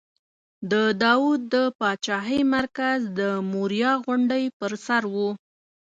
د داود د پاچاهۍ مرکز د موریا غونډۍ پر سر و.